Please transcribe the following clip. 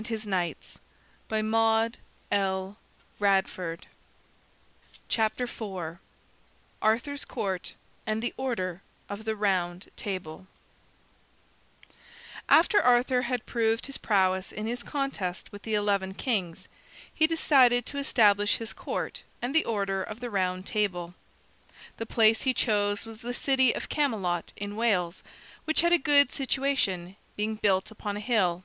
[Illustration: The Two Horses] ARTHUR'S COURT & THE ORDER OF THE ROUND TABLE After Arthur had proved his prowess in his contest with the eleven kings, he decided to establish his Court and the Order of the Round Table. The place he chose was the city of Camelot in Wales, which had a good situation, being built upon a hill.